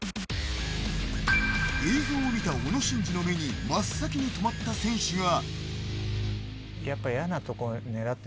映像を見た小野伸二の目に真っ先に留まった選手は。